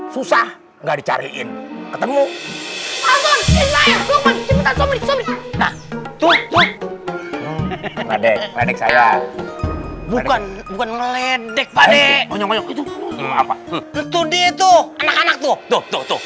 susah nggak dicariin ketemu itu tuh tuh tuh tuh tuh tuh tuh tuh tuh tuh tuh tuh tuh tuh tuh